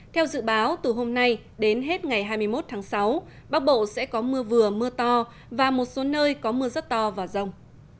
theo dự báo từ hôm nay đến hết ngày hai mươi một tháng sáu bắc bộ sẽ có mưa vừa mưa to và một số nơi có mưa rất to và rông